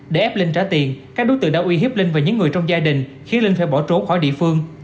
để ép linh trả tiền các đối tượng đã uy hiếp linh và những người trong gia đình khi linh phải bỏ trốn khỏi địa phương